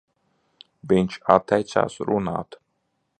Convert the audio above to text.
Viņš atteicās runāt.